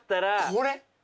これ。